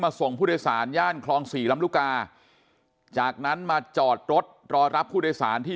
ส่งผู้โดยสารย่านคลองสี่ลำลูกกาจากนั้นมาจอดรถรอรับผู้โดยสารที่